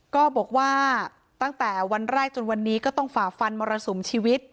ก็บอกว่าตั้งแต่วันแรกจนวันนี้ก็ต้องฝ่าฟันมรสุมชีวิต